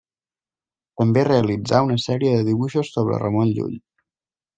També realitzà una sèrie de dibuixos sobre Ramon Llull.